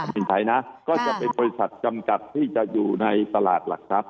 สินไทยนะก็จะเป็นบริษัทจำกัดที่จะอยู่ในตลาดหลักทรัพย